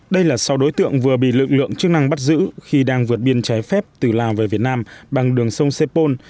đây là sau đối tượng vừa bị lực lượng chức năng bắt giữ khi đang vượt biên trái phép từ lào về việt nam bằng đường sông sepol